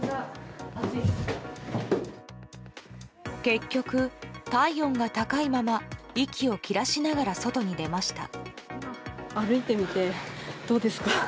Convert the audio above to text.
結局、体温が高いまま息を切らしながら外に出ました。